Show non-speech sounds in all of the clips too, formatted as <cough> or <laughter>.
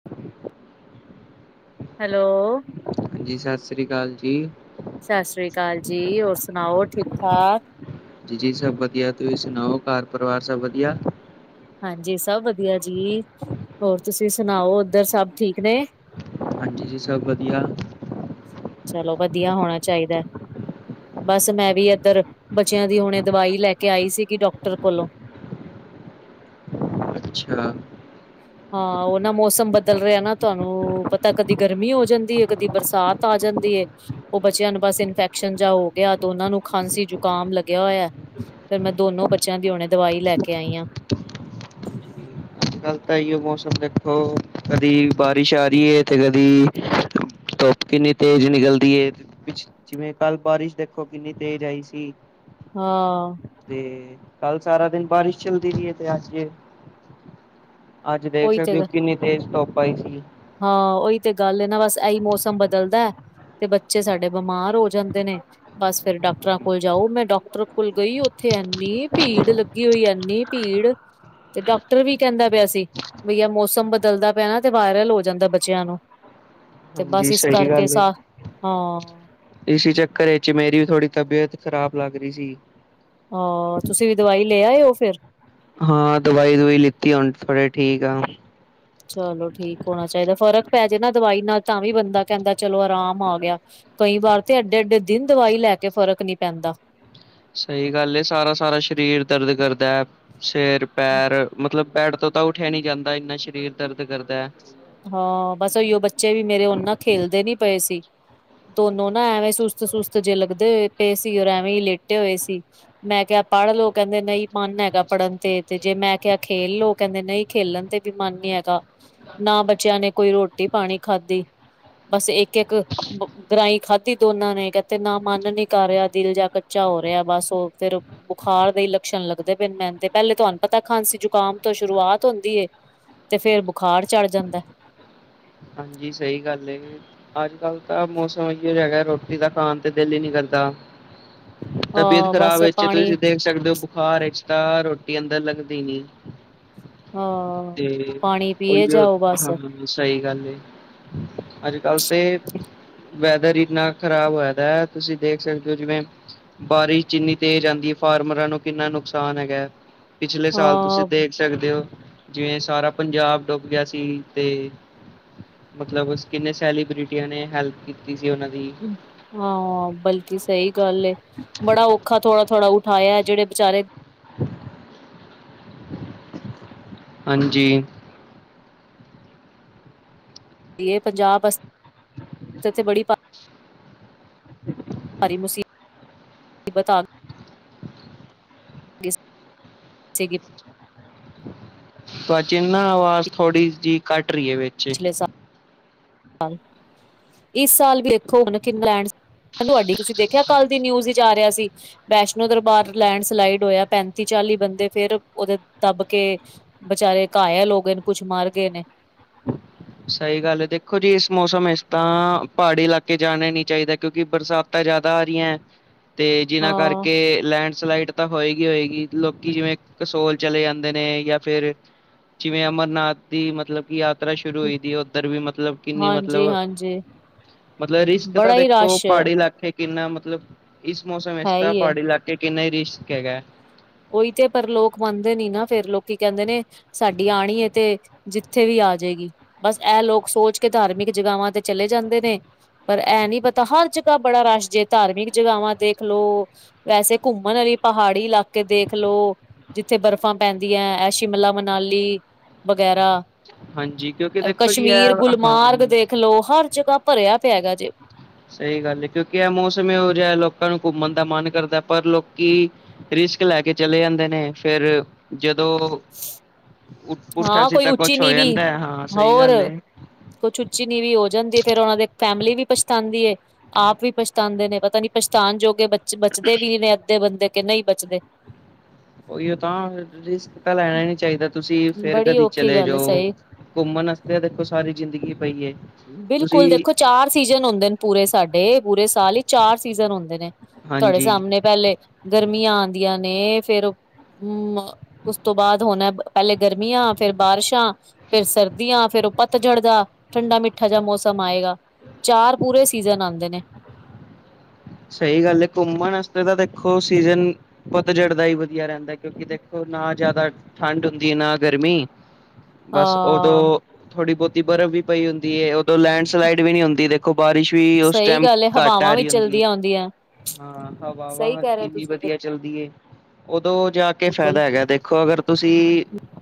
<inaudible> Hello. ਹਾਂਜੀ ਸਾਸਰੀ ਕਾਲ ਜੀ। ਸਾਸਰੀ ਕਾਲ ਜੀ ਹੋਰ ਸੁਣਾਓ ਠੀਕ-ਠਾਕ। ਜੀ-ਜੀ ਸਭ ਵਧੀਆ, ਤੁਸੀਂ ਸੁਣਾਓ ਘਰ ਪਰਿਵਾਰ ਸਭ ਵਧੀਆ। ਹਾਂਜੀ ਸਭ ਵਧੀਆ ਜੀ, ਹੋਰ ਤੁਸੀਂ ਸੁਣਾਓ ਉੱਧਰ ਸਭ ਠੀਕ ਨੇ? ਹਾਂਜੀ ਜੀ, ਸਭ ਵਧੀਆ। ਚਲੋ, ਵਧੀਆ ਹੋਣਾ ਚਾਹੀਦਾ। ਬਸ, ਮੈਂ ਵੀ ਇਏਧਰ ਬੱਚਿਆਂ ਦੀ ਹੁਣੇ ਦਵਾਈ ਲੈ ਕੇ ਆਈ ਸੀਗੀ ਡਾਕਟਰ ਕੋਲੋਂ। ਅੱਛਾ। ਹਾਂ, ਉਹ ਨਾ ਮੌਸਮ ਬਦਲ ਰਿਹਾ ਨਾ ਤੁਹਾਨੂੰ ਪਤਾ ਕਦੀ ਗਰਮੀ ਹੋ ਜਾਂਦੀ ਹੈ ਕਦੀ ਬਰਸਾਤ ਆ ਜਾਂਦੀਏ। ਉਹ ਬੱਚਿਆਂ ਨੂੰ ਬਸ ਇਨਫੈਕਸ਼ਨ ਜਾ ਹੋ ਗਿਆ। ਦੋਨਾਂ ਨੂੰ ਖਾਂਸੀ ਜ਼ੁਕਾਮ ਲੱਗਿਆ ਹੋਇਆ। ਫੇਰ ਮੈਂ ਦੋਨੋ ਬੱਚਿਆਂ ਦੀ ਹੁਣੇ ਦਵਾਈ ਲੈ ਕੇ ਆਈਆ। ਜੀ, ਅੱਜ ਕੱਲ ਤਾਂ ਇਹੀਓ ਮੌਸਮ ਦੇਖੋ ਕਦੀ ਬਾਰਿਸ਼ ਆ ਰਹੀ ਹੈ ਤੇ ਕਦੇ ਧੁੱਪ ਕਿੰਨੀ ਤੇਜ਼ ਨਿਕਲਦੀ ਏ। ਜਿਵੇਂ ਕੱਲ ਬਾਰਿਸ਼ ਦੇਖੋ ਕਿੰਨੀ ਤੇਜ਼ ਆਈ ਸੀ। ਹਾਂ। ਤੇ ਕੱਲ ਸਾਰਾ ਦਿਨ ਬਾਰਿਸ਼ ਚੱਲਦੀ ਰਹੀ ਹੈ ਤੇ ਅੱਜ- ਦੇਖ ਉਹੀ ਤੇ ਸਕਦੇ ਹੋ ਕਿੰਨੀ ਤੇਜ਼ ਧੁੱਪ ਆਈ ਸੀਗੀ। ਹਾਂ ਉਹੀ ਤੇ ਗੱਲ ਹੈ ਨਾ ਬਸ, ਇਹੀ ਮੌਸਮ ਬਦਲਦਾ- ਤੇ ਬੱਚੇ ਸਾਡੇ ਬਿਮਾਰ ਹੋ ਜਾਂਦੇ ਨੇ ਬਸ ਫੇਰ ਡਾਕਟਰਾਂ ਕੋਲ ਜਾਓ। ਮੈਂ ਡਾਕਟਰ ਕੋਲ ਗਈ ਉੱਥੇ ਐੰਨੀ ਭੀੜ ਲੱਗੀ ਹੋਈ ਐਨੀ- ਭੀੜ ਤੇ ਡਾਕਟਰ ਵੀ ਕਹਿੰਦਾ ਪਿਆ ਸੀ ਬਈਆ ਮੌਸਮ ਬਦਲਦਾ ਪਿਆ ਨਾ ਤੇ ਵਾਇਰਲ ਹੋ ਜਾਂਦਾ ਬੱਚਿਆਂ ਨੂੰ, ਤੇ ਹਾਂਜੀ ਬਸ ਇਸ ਸਹੀ ਕਰਕੇ ਗੱਲ ਹੈ ਸਾ ਹਾਂ। ਇਸੀ ਚੱਕਰ ਵਿੱਚ ਮੇਰੀ ਵੀ ਥੋੜ੍ਹੀ ਤਬੀਅਤ ਖ਼ਰਾਬ ਲੱਗ ਰਹੀ ਸੀ। ਹਾਂ, ਤੁਸੀਂ ਵੀ ਦਵਾਈ ਲੈ ਆਇਓ ਫੇਰ? ਹਾਂ, ਦਵਾਈ-ਦਵੂਈ ਲਿੱਤੀ ਹੁਣ ਥੋੜੇ ਠੀਕ ਆ। ਚਲੋ, ਠੀਕ ਹੋਣਾ ਚਾਹੀਦਾ। ਫ਼ਰਕ ਪੈ ਜੇਨਾ ਦਵਾਈ ਨਾਲ ਤਾਂ ਵੀ ਬੰਦਾ ਕਹਿੰਦਾ ਚਲੋ ਆਰਾਮ ਆ ਗਿਆ। ਕਈ ਵਾਰ ਤੇ ਏਡੇ -ਏਡੇ ਦਿਨ ਦਵਾਈ ਲੈ ਕੇ ਫ਼ਰਕ ਨਹੀਂ ਪੈਂਦਾ। ਸਹੀ ਗੱਲ ਏ ਸਾਰਾ-ਸਾਰਾ ਸਰੀਰ ਦਰਦ ਕਰਦਾ। ਸਿਰ, ਪੈਰ ਮਤਲਬ ਬੈਡ ਤੋਂ ਉੱਠਿਆ ਨੀ ਜਾਂਦਾ। ਇੰਨਾ ਸਰੀਰ ਦਰਦ ਕਰਦਾ। ਹਾਂ, ਬਸ ਉਹੀਓ ਬੱਚੇ ਵੀ ਮੇਰੇ ਹੁਣ ਨਾ ਖੇਲਦੇ ਨੀ ਪਏ ਸੀ। ਦੋਨੋ ਨਾ ਐਵੇਂ ਸੁਸਤ-ਸੁਸਤ ਜੇ ਲੱਗਦੇ ਪਏ ਸੀ, ਔਰ ਐਵੇਂ ਹੀ ਲੇਟੇ ਹੋਏ ਸੀ। ਮੈਂ ਕਿਹਾ ਪੜ੍ਹ ਲੋ, ਕਹਿੰਦੇ ਨਹੀਂ- ਮਨ ਹੈਗਾ ਪੜ੍ਹਨ ਤੇ, ਤੇ ਜੇ ਮੈਂ ਕਿਹਾ ਖੇਲ ਲੋ ਕਹਿੰਦੇ ਨਹੀਂ ਖੇਲਣ ਤੇ ਵੀ ਮਨ ਨੀ ਹੈਗਾ। ਨਾ ਬੱਚਿਆਂ ਨੇ ਕੋਈ ਰੋਟੀ ਪਾਣੀ ਖਾਧੀ। ਬਸ ਇੱਕ-ਇੱਕ ਗਰਾਈ ਖਾਧੀ ਦੋਨਾਂ ਨੇ ਕਹਿਦੇ ਨਾ ਮਨ ਨੀ ਕਰ ਰਿਹਾ ਦਿਲ ਜਾ ਕੱਚਾ ਹੋ ਰਿਹਾ। ਬਸ, ਉਹ ਫਿਰ ਬੁਖਾਰ ਦੇਹੀ ਲੱਛਣ ਲੱਗਦੇ ਪਏ ਮੈਨੂੰ ਤੇ ਪਹਿਲੇ ਤੁਹਾਨੂੰ ਪਤਾ ਖਾਂਸੀ ਜ਼ੁਕਾਮ ਤੋਂ ਸ਼ੁਰੂਆਤ ਹੁੰਦੀਏ। ਤੇ ਫੇਰ ਬੁਖਾਰ ਚੜ੍ਹ ਜਾਂਦਾ। ਹਾਂਜੀ ਸਹੀ ਗੱਲ ਏ। ਅੱਜ ਕੱਲ ਤਾਂ ਮੌਸਮ ਇੋਝ ਹੈਗਾ ਰੋਟੀ ਦਾ ਖਾਣ ਤੇ ਦਿਲ ਹੀ ਨੀ ਕਰਦਾ। ਤਬੀਅਤ ਹਾਂ ਖ਼ਰਾਬ ਬਸ ਵਿੱਚ ਪਾਣੀ ਤੁਸੀਂ ਦੇਖ ਸਕਦੇ ਹੋ ਬੁਖਾਰ ਵਿੱਚ ਤਾਂ ਰੋਟੀ ਅੰਦਰ ਲੱਗਦੀ ਨੀ। ਹਾਂ, ਤੇ ਪਾਣੀ ਉਹੀ ਪੀਏ ਜਾਓ ਬਸ ਹਾਂ ਸਹੀ ਗੱਲ ਏ। ਅੱਜ ਕੱਲ ਤੇ ਵੈਦਰ ਇੰਨਾ ਖ਼ਰਾਬ ਹੋਇਆ ਦਾ ਹੈ ਤੁਸੀਂ ਦੇਖ ਸਕਦੇ ਹੋ ਜਿਵੇਂ ਬਾਰਿਸ਼ ਜੀਨੀ ਤੇਜ਼ ਆਉਂਦੀ ਹੈ। ਫਾਰਮਰਾਂ ਨੂੰ ਕਿੰਨਾ ਨੁਕਸਾਨ ਹੈਗਾ ਹੈ। ਪਿਛਲੇ ਸਾਲ ਤੁਸੀਂ ਦੇਖ ਸਕਦੇ ਹੋ ਜਿਵੇਂ ਸਾਰਾ ਪੰਜਾਬ ਡੁੱਬ ਗਿਆ ਸੀ ਤੇ ਮਤਲਬ ਕਿੰਨੇ ਸੈਲੀਬ੍ਰਿਟੀਆਂ ਨੇ ਹੈਲਪ ਕੀਤੀ ਸੀ ਉਹਨਾਂ ਦੀ। ਹਾਂ ਬਲਕਿ ਸਹੀ ਗੱਲ ਏ। ਬੜਾ ਔਖ ਥੋੜਾ ਥੋੜ੍ਹਾ ਉਠਾਇਆ ਜਿਹੜੇ ਬੀਚਾਰੇ ਹਾਂਜੀ। ਇਹ ਪੰਜਾਬ ਬਸ ਤੇ ਬੜੀ ਬਾਤ। ਭਾਰੀ ਮੁਸੀਬ ਤਬਤ ਆ ਗ। ਗਿਸ ਸੇ ਗਿਸ। ਸਚ ਇਹਨਾ ਬਾ ਨਾ ਆਵਾਜ਼ ਥੋੜ੍ਹੀ ਜਿਹੀ ਘੱਟ ਰਹੀ ਹੈ ਵਿੱਚ। ਪਿਛਲੇ ਸਾਲ ਇਸ ਸਾਲ ਦੇਖੋ ਹੁਣ ਕਿ ਇੰਗਲੈਂਡ। ਹਾਂ ਤੁਹਾਡੀ, ਤੁਸੀਂ ਦੇਖਿਆ ਕੱਲ੍ਹ ਦੀ ਨਿਊਜ਼ ਵਿੱਚ ਆ ਰਿਹਾ ਸੀ। ਵੈਸ਼ਨੋ ਦਰਬਾਰ ਲੈਂਡਸਲਾਈਡ ਹੋਇਆ ਪੈਂਤੀ ਚਾਲੀ ਬੰਦੇ ਫੇਰ ਉਹਦੇ ਦੱਬ ਕੇ। ਬੇਚਾਰੇ ਘਾਇਲ ਹੋ ਗਏ ਨੇ ਕੁੱਛ ਮਰ ਗਏ ਨੇ। ਸਹੀ ਗੱਲ ਦੇਖੋ ਜੀ ਇਸ ਮੌਸਮ ਇਸ ਤਾਂ ਪਹਾੜੀ ਇਲਾਕੇ ਜਾਣਾ ਨੀ ਚਾਹੀਦਾ ਕਿਉਂਕਿ ਬਰਸਾਤ। ਬਰਸਾਤਾਂ ਜ਼ਿਆਦਾ ਆ ਰਹੀਆ। <inaudible> ਤੇ ਜਿੰਨਾਂ ਹਾਂ। ਕਰਕੇ ਲੈਂਡਸਲਾਈਡ। ਤਾਂ ਹੋਏਗੀ ਹੋਏਗੀ ਲੋਕੀ ਜਿਵੇਂ ਕਸੋਲ ਚਲੇ ਜਾਂਦੇ ਨੇ ਜਾਂ ਫਿਰ। ਜਿਵੇਂ ਅਮਰਨਾਥ ਦੀ ਮਤਲਬ ਕਿ ਯਾਤਰਾ ਸ਼ੁਰੂ ਸ਼ੁਰੂ ਹੋਈ ਦੀ ਉੱਧਰ ਵੀ ਮਤਲਬ ਕਿੰਨੀ ਮਤਲਬ। ਹਾਂਜੀ-ਹਾਂਜੀ ਮਤਲਬ ਰਿਸਕ ਤਾਂ ਬੜਾ ਹੀ ਦੇਖੋ ਰਸ਼ ਪਹਾੜੀ ਹੈ ਇਲਾਕੇ 'ਚ ਕਿੰਨਾ ਮਤਲਬ ਇਸ ਮੌਸਮ ਵਿੱਚ ਹੀ ਏ। ਪਹਾੜੀ ਇਲਾਕੇ ਕਿੰਨਾ ਹੀ ਰਿਸਕ ਹੈਗਾ। ਉਹੀ ਤੇ ਪਰ ਲੋਕ ਮੰਨਦੇ ਨੀ ਨਾ ਫਿਰ ਲੋਕੀ ਕਹਿੰਦੇ ਨੇ ਸਾਡੀ ਆਣੀ ਹੈ ਤੇ। ਜਿੱਥੇ ਵੀ ਆ ਜਾਏਗੀ, ਬਸ ਐਹ ਲੋਕ ਸੋਚ ਕੇ ਧਾਰਮਿਕ ਜਗਾਵਾਂ ਤੇ ਚਲੇ ਜਾਂਦੇ ਨੇ। ਪਰ ਐਹ ਨਹੀਂ ਪਤਾ ਹਰ ਜਗ੍ਹਾ ਬੜਾ ਰਸ਼ ਜੇ ਧਾਰਮਿਕ ਜਗ੍ਹਾਵਾਂ ਦੇਖ ਲਓ। ਵੈਸੇ ਘੁੰਮਣ ਵਾਲੀ ਪਹਾੜੀ ਇਲਾਕ। ਕੇ ਦੇਖ ਲਓ ਜਿੱਥੇ ਬਰਫ਼ਾਂ ਪੈਂਦੀਆਂ ਇਹ ਸ਼ਿਮਲਾ ਮਨਾਲੀ ਵਗੈਰਾ। ਹਾਂਜੀ ਕਿਉਂਕਿ ਦੇਖੋ ਜੀ ਕਸ਼ਮੀਰ ਇਹ ਗੁਲਮਾਰਗ ਹਾਂ ਦੇਖਲੋ ਹਰ ਜਗ੍ਹਾ ਭਰਿਆ ਪਿਆ ਹੈਗਾ ਜੇ। ਸਹੀ ਗੱਲ ਹੈ ਕਿਉਂਕਿ ਐਹ ਮੌਸਮ ਇਹੋ ਜਿਹਾ ਲੋਕਾਂ ਨੂੰ ਘੁੰਮਣ ਦਾ ਮਨ ਕਰਦਾ ਪਰ ਲੋਕੀ। ਰਿਸਕ ਲੈ ਕੇ ਚਲੇ ਜਾਂਦੇ ਨੇ ਫਿਰ। ਜਦੋਂ ਉੱਠ ਪੁਠਾ ਹਾਂ ਕੋਈ ਸੀਦਾ ਉੱਚੀ ਕੁੱਛ ਹੋ ਨੀਵੀਂ ਜਾਂਦਾ ਹੈ। ਹਾਂ ਸਹੀ ਹੋਰ ਗੱਲ ਏ ਕੁਛ ਉੱਚੀ ਨੀਵੀ ਹੋ ਜਾਂਦੀ ਫੇਰ ਉਹਨਾਂ ਦੀ ਫੈਮਿਲੀ ਵੀ ਪਛਤਾਉਦੀ ਏ। ਆਪ ਵੀ ਪਛਤਾਉਂਦੇ ਨੇ ਪਤਾ ਨੀ ਪਛਤਾਣ ਜੋਗੇ ਬ ਬਚਦੇ ਵੀ ਨੇ ਅੱਧੇ ਬੰਦੇ ਕਿ ਨਹੀਂ ਬਚਦੇ। ਉਹੀਓ ਤਾਂ ਰਿਸਕ ਤਾਂ ਲੈਣਾ ਹੀ ਨੀ ਚਾਹੀਦਾ ਤੁਸੀਂ ਫਿਰ ਬੜੀ ਕਦੀ ਔਖੀ ਚਲੇ ਗੱਲ ਏ ਜਾਓ। ਸਹੀ। ਘੁੰਮਣ ਵਾਸਤੇ ਦੇਖੋ ਸਾਰੀ ਜ਼ਿੰਦਗੀ ਪਈ ਏ। ਤੁਸੀਂ ਬਿਲਕੁਲ ਦੇਖੋ ਚਾਰ ਸੀਜਨ ਹੁੰਦੇ ਪੂਰੇ ਸਾਡੇ ਪੂਰੇ ਸਾਲ ਹੀ ਚਾਰ ਸੀਜਨ ਹੁੰਦੇ ਨੇ। ਤਾਡੇ ਹਾਂਜੀ ਸਾਹਮਣੇ ਪਹਿਲੇ। ਗਰਮੀਆਂ ਆਉਂਦੀਆਂ ਨੇ ਫਿਰ ਹਮ ਉਸ ਤੋਂ ਬਾਅਦ ਹੁਣ। ਪਹਿਲੇ ਗਰਮੀਆਂ ਫਿਰ ਬਾਰਿਸ਼ਾਂ ਫਿਰ ਸਰਦੀਆਂ ਫੇਰ ਪੱਤਝੜ ਦਾ ਠੰਡਾ ਮਿੱਠਾ। ਮਿੱਠਾ ਜਿਹਾ ਮੌਸਮ ਆਏਗਾ। ਚਾਰ ਪੂਰੇ ਸੀਜ਼ਨ ਆਂਦੇ ਨੇ। ਸਹੀ ਗੱਲ ਹੈ ਘੁੰਮਣ ਵਾਸਤੇ ਤਾਂ ਦੇਖੋ ਸੀਜਨ ਪਤਝੜ ਦਾ ਹੀ ਵਧੀਆ ਰਹਿੰਦਾ ਏ। ਕਿਉਂਕਿ ਦੇਖੋ ਨਾ ਜ਼ਿਆਦਾ ਠੰਡ ਹੁੰਦੀ ਨਾ ਗਰਮੀ ਬਸ ਉਦੋਂ। ਹਾਂ ਥੋੜੀ ਬਹੁਤੀ ਬਰਫ਼ ਵੀ ਪਈ ਹੁੰਦੀ ਹੈ ਉਦੋਂ ਲੈਂਡਸਲਾਈਡ ਵੀ ਨੀ ਹੁੰਦੀ ਦੇਖੋ ਦੇਖੋ, ਬਾਰਿਸ਼ ਵੀ ਉਸ ਟੈਮ ਘੱਟ ਆ ਰਹੀ ਹੁੰਦੀ ਹੈ। ਆਂਦੀਆਂ। ਹਾਂ ਹਵਾਵਾਂ ਇੰਨੀ ਵਧੀਆ ਚੱਲਦੀ ਏ, ਉਦੋਂ ਜਾ ਕੇ ਫਾਇਦਾ ਬਿਲਕੁਲ ਹੈਗਾ ਦੇਖੋ ਅਗਰ। ਤੁਸੀ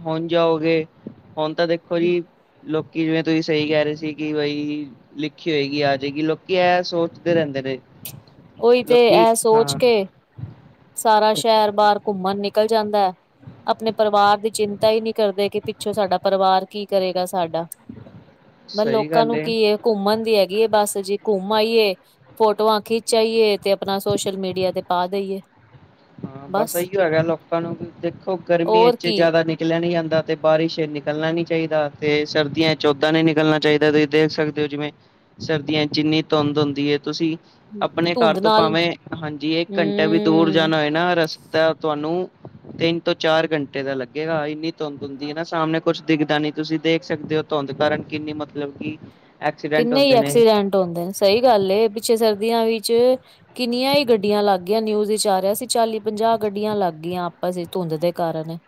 ਹੁਣ ਜਾਓਗੇ? ਹੁਣ ਤਾਂ ਦੇਖੋ ਜੀ। ਲੋਕੀ ਜਿਵੇਂ, ਤੁਸੀਂ ਸਹੀ ਕਹਿ ਰਹੇ ਸੀ, ਕਿ ਬਈ। ਲਿਖੀ ਹੋਏਗੀ ਆ ਜੇਗੀ ਲੋਕੀ ਐ ਸੋਚਦੇ ਰਹਿੰਦੇ ਨੇ। ਉਈ 'ਤੇ ਲੋਕੀ ਐ ਸੋਚ ਹਾਂ ਕੇ, ਸਾਰਾ ਸ਼ਹਿਰ ਬਾਰ ਘੁੰਮਣ ਨਿਕਲ ਜਾਂਦੈ। ਆਪਣੇ ਪਰਿਵਾਰ ਦੀ ਚਿੰਤਾ ਈ ਨੀ ਕਰਦੇ ਕਿ ਪਿੱਛੋਂ ਸਾਡਾ ਪਰਿਵਾਰ ਕੀ ਕਰੇਗਾ ਸਾਡਾ। <inaudible> ਸਹੀ ਲੋਕਾਂ ਗੱਲ ਨੂੰ ਕੀ ਏ ਘੁੰਮਣ ਦੀ ਹੈਗੀ ਏ ਬਸ ਜੀ ਘੁੰਮ ਆਈਏ, ਫੋਟੋਆਂ ਖਿੱ ਚ ਆਈਏ 'ਤੇ ਆਪਣਾ ਸੋਸ਼ਲ ਮੀਡੀਆ 'ਤੇ ਪਾ ਦੇਈਏ। ਹਾਂ ਬਸ ਏਈਓ ਹੈਗਾ ਲੋਕਾਂ ਨੂੰ ਵੀ ਦੇਖੋ ਗਰਮੀ ਹੋਰ ਵਿੱਚ ਕੀ ਜਿਆਦਾ ਨੀ ਨਿਕਲਿਆ ਨੀ ਜਾਂਦਾ 'ਤੇ ਬਾਰਿਸ਼ ਵਿੱਚ ਨਿਕਲਣਾ ਨੀ ਚਾਈਦਾ 'ਤੇ ਸਰਦੀਆਂ 'ਚ ਉਦਾਂ ਨੀ ਨਿਕਲਣਾ ਚਾਈਦਾ ਤੁਸੀਂ ਦੇਖ ਸਕ ਦੇ ਜਿਵੇਂ ਸਰਦੀਆਂ 'ਚ ਇੰਨੀ ਧੁੰਦ ਹੁੰਦੀ ਏ ਤੁਸੀਂ ਆਪਣੇ ਘਰ ਧੁੰਦ ਤੋਂ ਨਾਲ ਭਾਵੇਂ ਹਾਂਜੀ ਇੱਕ ਘੰਟਾ ਵੀ ਦੂਰ ਹਮ ਏਨਾ ਰਸਤਾ ਤੁਹਾਨੂੰ ਤਿੰਨ ਤੋਂ ਚਾਰ ਘੰਟੇ ਦਾ ਲੱਗੇਗਾ ਇੰਨੀ ਧੁੰਦ ਹੁੰਦੀ ਏ ਨਾ ਸਾਹਮਣੇ ਕੁਛ ਦਿਖਦਾ ਨੀ ਤੁਸੀਂ ਦੇਖ ਸਕਦੇ ਓ ਧੁੰਦ ਕਾਰਨ ਕਿੰਨੀ ਮਤਲਬ ਕਿ ਐਕਸੀਡੈਂਟ ਕਿੰਨੇ ਈ ਹੁੰਦੇ ਨੇ ਐਕਸੀਡੈਂਟ ਹੁੰਦੇ ਨੇ ਸਈ ਗੱਲ ਏ ਪਿੱਛੇ ਸਰਦੀਆਂ ਵਿੱਚ ਕਿੰਨੀਆਂ ਈ ਗੱਡੀਆਂ ਲੱਗ ਗੀਆਂ ਨਿਊਜ਼ ਵਿਚ ਆ ਰਿਹਾ ਸੀ ਚਾਲੀ-ਪੰਜਾਹ ਗੱਡੀਆਂ ਲੱਗ ਗਈਆਂ ਆਪਸ 'ਚ ਧੁੰਦ ਦੇ ਕਾਰਨ।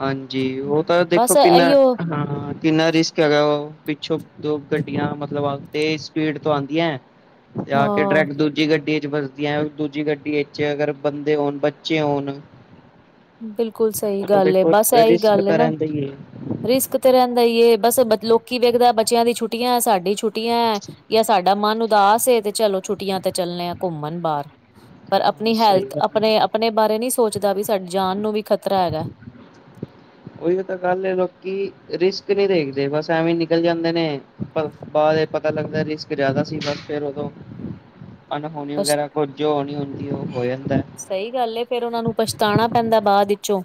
ਹਾਂਜੀ ਓ ਤਾਂ ਦੇਖੋ ਬਸ ਕਿੰਨਾ ਇਹੀਓ ਹਾਂ ਕਿੰਨਾ ਰਿਸਕ ਹੈਗਾ ਓ ਪਿੱਛੋਂ ਦੋ ਗੱਡੀਆਂ ਮਤਲਬ ਆ ਤੇਜ਼ ਸਪੀਡ ਤੋਂ ਆਂਦੀ ਐ ਤੇ ਆ ਕੇ ਹਾਂ ਡਰੈਕਟ ਦੂ ਜੀ ਗੱਡੀ 'ਚ ਵਜਦੀ ਐ ਦੂਜੀ ਗੱਡੀ ਵਿਚ ਅਗਰ ਬੰਦੇ ਹੋਣ, ਬੱਚੇ ਹੋਣ। ਬਿਲਕੁੱਲ ਸਈ ਤਾਂ ਗੱਲ ਏ ਦੇਖੋ ਬਸ ਐਈ ਰਿਸਕ ਗੱਲ ਏ ਤਾਂ ਨਾ। ਰਹਿੰਦਾ ਹੀ ਹੈ ਰਿਸਕ 'ਤੇ ਰਹਿੰਦਾ ਈ ਏ ਬਸ ਬ ਲੋਕੀ ਵੇਖਦਾ ਬੱਚਿਆਂ ਦੀ ਛੁੱਟੀਆਂ, ਸਾਡੀ ਛੁੱ ਟੀਆਂ ਜਾਂ ਸਾਡਾ ਮਨ ਉਦਾਸ ਏ 'ਤੇ ਚਲੋ ਛੁੱਟੀਆਂ 'ਤੇ ਚੱਲੇ ਆ ਘੁੰਮਣ ਬਾਰ। ਪਰ ਹਾਂ ਆਪਣੀ ਸਹੀ ਹੈਲਥ, ਗੱਲ ਹੈ ਆਪਣੇ-ਆਪਣੇ ਬਾਰੇ ਨੀ ਸੋਚਦਾ ਵੀ ਸਾਡੀ ਜਾਨ ਨੂੰ ਵੀ ਖ਼ਤਰਾ ਹੈਗਾ। ਉਈ ਤਾਂ ਗੱਲ ਏ ਲੋਕੀ ਰਿਸਕ ਨੀ ਦੇਖਦੇ ਬਸ ਐਵੇਂ ਨਿਕਲ ਜਾਂਦੇ ਨੇ ਬਾਅਦ ਏ ਪਤਾ ਲੱਗਦਾ ਰਿਸਕ ਜਿਆਦਾ ਸੀਗਾ ਫੇਰ ਉਦੋਂ <inaudible> ਅਣਹੋਣੀ ਵਗੈਰਾ ਕੁੱਝ ਜੋ ਹੋਣੀ ਹੁੰਦੀ ਓ ਹੋ ਜਾਂਦੈ। ਸਈ ਗੱਲ ਏ ਫੇਰ ਉਨਾਂ ਨੂੰ ਪਛਤਾਣਾ ਪੈਂਦਾ ਬਾਅਦ ਵਿੱਚੋਂ।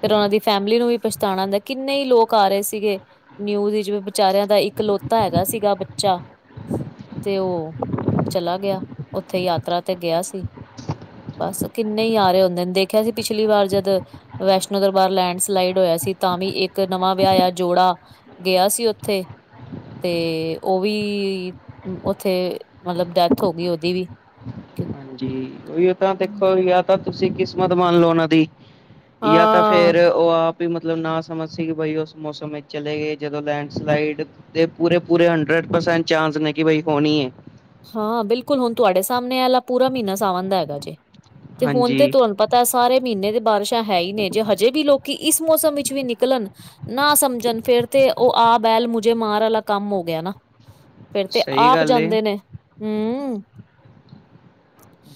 ਫਿਰ ਉਨਾਂ ਦੀ ਫੈਮਿਲੀ ਨੂੰ ਵੀ ਪਛਤਾਣਾ ਹੁੰਦਾ ਕਿੰਨੇ ਈ ਲੋਕ ਆ ਰੇ ਸੀਗੇ ਨਿਊਜ਼ ਵਿੱਚ ਬੱ ਚਾਰਿਆਂ ਦਾ ਇਕਲੌਤਾ ਹੈਗਾ ਸੀਗਾ ਬੱਚਾ। ਤੇ ਓ ਚਲਾ ਗਿਆ ਉੱਥੇ ਯਾਤਰਾ 'ਤੇ ਗਿਆ ਸੀ। ਬਸ ਕਿੰਨੇ ਈ ਆ ਰੇ ਹੁੰਦੇ ਨੇ ਦੇਖਿਆ ਸੀ ਪਿਛਲੀ ਵਾਰ ਜਦ ਵੈਸ਼ਨੋ ਦਰਬਾਰ ਲੈਂਡਸਲਾਈਡ ਹੋਇਆ ਸੀ ਤਾਂ ਵੀ ਇੱਕ ਨਵਾਂ ਵਿਆਇਆ ਜੋੜਾ ਗਿਆ ਸੀ ਉੱਥੇ 'ਤੇ ਓ ਵੀ ਉੱਥੇ ਮਤਲਬ ਡੈਥ ਹੋਗੀ ਉਦੀ ਵੀ। ਜੀ ਉਈਓ ਤਾਂ ਦੇਖੋ ਯਾ ਤਾਂ ਤੁਸੀਂ ਕਿਸਮਤ ਮੰਨ ਲੋ ਉਨਾਂ ਦੀ ਜਾਂ ਤਾਂ ਹਾਂ ਫੇਰ ਓ ਆਪ ਈ ਮਤਲਬ ਨਾ ਸਮਝ ਸੀ ਕਿ ਬਾਈ ਉਸ ਮੌਸਮ ਵਿੱਚ ਚਲੇ ਗਏ ਜਦੋਂ ਲੈਂਡਸਲਾਈਡ ਦੇ ਪੂਰੇ-ਪੂਰੇ ਹਡਰਡ ਪਰਸੈਂਟ ਚਾਂਸ ਨੇ ਕਿ ਬਾਈ ਹੋਣੀ ਏ। ਹਾਂ ਬਿਲਕੁੱਲ ਹੁਣ ਤੁਹਾਡੇ ਸਾਹਮਣੇ ਐ ਆਲਾ ਪੂਰਾ ਮ੍ਹੀਨਾ ਸਾਵਣ ਦਾ ਹੈਗਾ ਜੇ 'ਤੇ ਹੁਣ ਤੇ ਹਾਂਜੀ, ਤੁਹਾਨੂੰ ਪ ਤਾ ਸਾਰੇ ਮ੍ਹੀਨੇ ਦੇ ਬਾਰਿਸ਼ਾਂ ਹੈ ਈ ਨੇ ਜੇ ਹਜੇ ਵੀ ਲੋਕੀ ਇਸ ਮੌਸਮ ਵਿੱਚ ਵੀ ਨਿਕਲਣ ਨਾ ਸਮਝਣ ਫੇਰ 'ਤੇ ਓ ਆ ਬੈਲ ਮੁਝੇ ਮਾਰ ਆਲਾ ਕੰਮ ਹੋ ਗਿਆ ਨਾ। ਫੇਰ 'ਤੇ ਸਹੀ ਆਪ ਗੱਲ ਏ। ਜਾਂਦੇ ਨੇ, ਹੂੰ।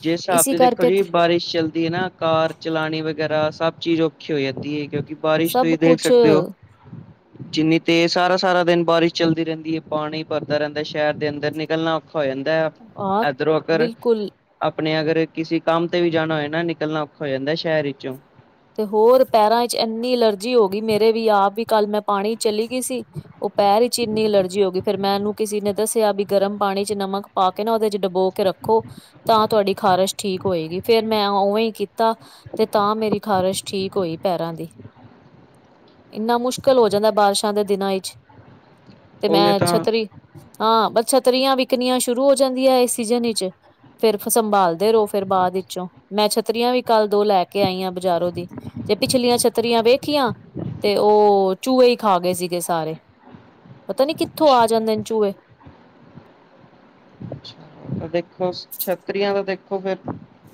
ਜਿਸ ਹਿਸਾਬ ਇਸੀ 'ਤੇ ਦੇਖੋ ਕਰਕੇ ਜੀ ਬਾਰਿਸ਼ ਚੱਲਦੀ ਏ ਨਾ ਕਾਰ ਚਲਾਣੀ ਵਗੈਰਾ ਸਭ ਚੀਜ਼ ਔਖੀ ਹੋ ਜਾਂਦੀ ਏ ਕਿਉਂਕਿ ਬਾਰਿਸ਼ ਸਭ ਤੁਸੀਂ ਦੇਖ ਕੁਛ ਸਕਦੇ ਓ <inaudible> ਜਿੰਨੀ ਤੇਜ਼ ਸਾਰਾ- ਸਾਰਾ ਦਿਨ ਬਾਰਿਸ਼ ਚੱਲਦੀ ਰਹਿੰਦੀ ਐ, ਪਾਣੀ ਭਰਦਾ ਰਹਿੰਦਾ ਸ਼ਹਿਰ ਦੇ ਅੰਦਰ ਨਿਕਲਣਾ ਔਖਾ ਹੋ ਜਾਂਦਾ, ਆ ਇਦਰਰੋਂ, ਔਰਦ। ਬਿਲਕੁਲ ਆਪਣੇ ਅਗਰ ਕਿਸੇ, ਕੰਮ ਤੇ ਵੀ ਜਾਣਾ ਹੋਏ ਨਾ ਨਿਕਲਣਾ ਔਖਾ ਹੋ ਜਾਂਦਾ, ਸ਼ਹਿਰ ਵਿੱਚੋਂ। ਤੇ ਹੋਰ, ਪੈਰਾਂ ਵਿੱਚ ਇੰਨੀ ਅਲਰਜੀ ਹੋ ਗਈ, ਮੇਰੇ ਵੀ ਆਪ ਵੀ ਕੱਲ ਮੈਂ ਪਾਣੀ ਚਲੀ। ਗੀ ਸੀ ਉਹ ਪੈਰ ਵੀਚ ਇੰਨੀ ਅਲਰਜੀ ਹੋ ਗਈ, ਫੇਰ ਮੈਂ ਇਹਨੂੰ ਕਿਸੇ ਨੇ ਦੱਸਿਆ ਵੀ, ਗਰਮ ਪਾਣੀ ਚ ਨਮਕ ਪਾਕੇ ਨਾ, ਉਹਦੇ ਚ ਡਬੋ ਕੇ ਰੱਖੋ। ਤਾਂ ਤੁਹਾਡੀ ਖ਼ਾਰਸ਼ ਠੀਕ ਹੋਏਗੀ। ਫੇਰ ਮੈਂ ਉਵੇਂ ਹੀ ਕੀਤਾ। ਤੇ ਤਾਂ ਮੇਰੀ ਖ਼ਾਰਸ਼, ਠੀਕ ਹੋਈ ਪੈਰਾਂ ਦੀ। ਇੰਨਾ ਮੁਸ਼ਕਿਲ ਹੋ ਜਾਂਦਾ, ਬਾਰਿਸ਼ਾਂ ਦੇ ਦਿਨਾਂ ਵਿੱਚ, ਤੇ ਉਹੀ ਮੈਂ ਤਾਂ ਛੱਤਰੀ ਹਾਂ ਬਸ ਛੱਤਰੀਆਂ ਵਿਕਣੀਆਂ ਸ਼ੁਰੂ ਹੋ ਜਾਂਦੀਆਂ। ਐਸ ਸੀਜਨ ਵਿਚ। ਫੇਰ ਸੰਭਾਲਦੇ ਰਹੋ, ਫੇਰ ਬਾਅਦ ਵਿੱਚੋਂ, ਮੈਂ ਛੱਤਰੀਆਂ ਵੀ ਕੱਲ ਦੋ ਲੈ ਕੇ ਆਈਆਂ ਬ- ਜ਼ਾਰੋ ਦੀ। ਜੇ ਪਿਛਲੀਆਂ ਛੱਤਰੀਆਂ ਵੇਖੀਆਂ ਤੇ ਉਹ, ਚੂਹੇ ਹੀ ਖਾ ਗਏ ਸੀਗੇ ਸਾਰੇ। ਪਤਾ ਨੀ ਕਿੱਥੋਂ ਆ ਜਾਂਦੇ ਨੇ ਚੂਹੇ। ਅਛਾ ਦੇਖੋ ਛੱਤਰੀਆਂ ਦਾ ਦੇਖੋ ਫੇਰ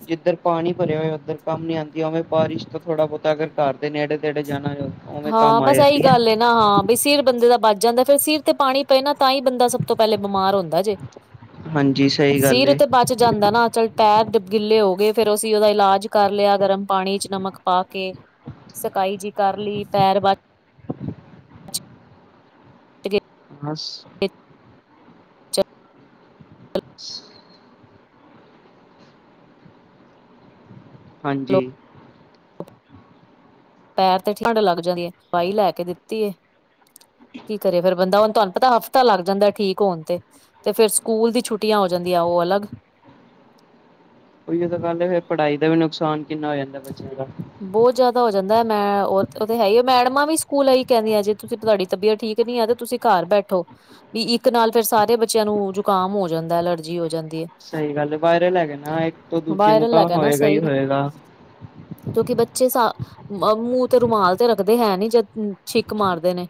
ਜਿੱਧਰ ਪਾਣੀ ਭਰਿਆ ਹੋਆ, ਉੱਧਰ ਕੰਮ ਨੀ ਆਉਂਦੀ। ਉਵੇ ਬਾਰਿਸ਼ ਤੋਂ ਥੋੜਾ ਬੋਤਾ ਅਗਰ ਘਰ ਦੇ ਨੇੜੇ- ਤੇੜੇ ਜਾਣਾ ਹੋਏ। ਹਾਂ ਬਸ ਇਹੀ ਗੱਲ ਐ। ਨਾ ਹਾਂ ਬਈ ਸਿਰ ਬੰਦੇ ਦਾ ਬਚ ਜਾਂਦਾ। ਫੇਰ ਸਿਰ ਤੇ ਪਾਣੀ ਪਏ ਨਾ ਤਾਂ ਹੀ, ਬੰਦਾ ਸਭ ਤੋਂ ਪਹਿਲੇ ਬਿਮਾਰ ਹੁੰਦਾ। ਹੂਦਾ ਜੇ, ਹਾਂਜੀ ਸਹੀ ਗੱਲ ਸੀਰ ਏ ਤੋ ਬਾਚ ਜਾਂਦਾ ਨਾ ਚੱਲ ਪੈਰ ਗਿੱਲੇ ਹੋ ਗਏ। ਫੇਰ ਅਸੀਂ ਉਹਦਾ ਇਲਾਜ ਕਰ ਲਿਆ, ਗਰਮ ਪਾਣੀ ਚ ਨਮਕ ਪਾ ਕੇ। ਸਕਾਈ ਜੀ ਕਰ ਲਈ। ਪੈਰ ਬਚ ਬਸ ਤੇ ਸ ਹਾ ਚਲੋ ਹਾਂਜੀ। ਪੈਰ ਤੇ ਠੰਢ ਲੱਗ ਜਾਂਦੀ ਐ। ਦਵਾਈ ਲੈ ਕੇ ਦਿੱਤੀ ਏ। ਕੀ ਕਰੇ ਫੇਰ ਬੰਦਾ ਹੁਣ, ਤੁਹਾਨੂੰ ਪਤਾ ਹਫ਼ਤਾ ਲੱਗ ਜਾਂਦਾ। ਠੀਕ ਹੋਣ ਤੇ, ਤੇ ਫੇਰ ਸਕੂਲ ਦੀ ਛੁੱਟੀਆਂ ਹੋ ਜਾਂਦੀਆਂ। ਉਹ ਅਲੱਗ। ਉਹੀ ਤਾਂ ਗੱਲ ਏ ਫੇਰ ਪੜਾਈ ਦਾ ਵੀ ਨੁਕਸਾਨ ਕਿੰਨਾ ਹੋ ਜਾਂਦਾ ਬੱਚਿਆਂ ਦਾ। ਬੋਤ ਜ਼ਦਾ ਹੋ ਜਾਂਦਾ ਹੁਨਾ ਏ ਓ ਤਾਂ ਹੈ ਹੀ ਮੈਡਮਾਂ ਵੀ ਸਕੂਲ ਏ ਈ ਕਹਿੰਦੀ ਆ ਜੇ ਤੁਸੀਂ ਤੁਹਾਡੀ ਤਬੀਅਤ ਠੀਕ ਨੀ ਹੈ ਤੇ ਤੁਸੀਂ ਘਰ ਬੈਠੋ। ਵੀ ਇੱਕ ਨਾਲ ਫੇਰ ਸਾਰੇ ਬੱਚਿਆਂ ਨੂੰ ਜੁਕਾਮ ਹੋ ਜਾਂਦਾ ਐ, ਐਲਰਜੀ ਹੋ ਜਾਂਦੀ ਐ। ਸਹੀ ਗੱਲ ਏ, ਵਾਇਰਲ ਹੈਗਾ ਨਾ, ਇੱਕ ਤੋਂ ਦੂਜੇ ਨੂੰ ਵਾਇਰਲ ਤਾਂ ਹੋਏਗਾ ਹੀ ਹੋਏਗਾ। ਕਿਉਕਿ ਬੱਚੇ ਸਾ, ਮੂੰਹ ਤੇ ਰੁਮਾਲ ਤੇ ਰੱਖਦੇ ਹੈ ਨੀ, ਜਦ ਛਿੱਕ ਮਾਰਦੇ ਨੇ।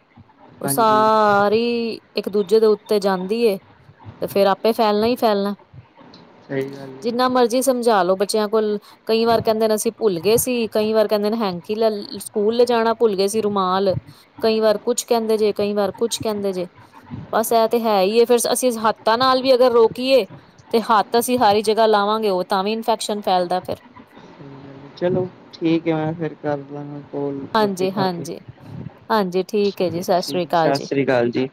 ਉਹ ਹਾਂਜੀ ਸਾਰ ਰੀ ਇੱਕ ਦੂਜੇ ਦੇ ਉੱਤੇ ਜਾਂਦੀ ਐ, ਤੇ ਫੇਰ ਆਪੇ ਫੈਲਣਾ ਹੀ ਫੈਲਣਾ ਐ। ਸਹੀ ਗੱਲ ਹੈ ਜਿੰਨਾ ਮਰਜ਼ੀ ਸਮਝਾਲੋ ਬੱਚਿਆਂ ਕੋਲ, ਕਈ ਵਾਰ ਕਹਿੰਦੇ ਨਾ ਅਸੀਂ ਭੁੱਲ ਗਏ ਸੀ। ਕਈ ਵਾਰ ਕਹਿੰਦੇ ਨੇ ਹੈਂਕੀ ਲੈ ਸਕੂਲ ਲਿਜਾਣਾ ਭੁੱਲ ਗਏ ਸੀ ਰੁਮਾਲ। ਕਈ ਵਾਰ ਕੁਛ ਕਹਿੰਦੇ ਜੇ, ਕਈ ਵਾਰ ਕੁਛ ਕਹਿੰਦੇ ਜੇ, ਬਸ ਇਹ ਤੇ ਹੈ ਹੀ ਐ, ਫੇਰ ਅਸੀਂ ਹੱਥਾਂ ਨਾਲ ਵੀ ਅਗਰ ਰੋਕੀਏ। ਤੇ ਹੱਥ ਅਸੀਂ ਹਾਰੀ ਜਗਾ ਲਾਵਾਂਗੇ। ਉਹ ਤਾਂ ਵੀ ਇਨਫੈਕਸ਼ਨ ਫੈਲਦਾ ਫੇਰ ਹੂੰ ਚਲੋ ਠੀਕ ਐ ਮੈਂ, ਫੇਰ ਕਰ ਲਾਂਗਾ। ਹੁਨ ਰੋਟੀ ਹਾਂਜੀ ਖਾ ਦੀ, ਹਾਂਜੀ ਹਾਂਜੀ ਠੀਕ ਹੈ ਜੀ ਸਤਿ ਸ੍ਰੀ ਠੀਕ, ਅਕਾਲ ਸਤਿ ਜੀ ਸ੍ਰੀ ਅਕਾਲ ਜੀ।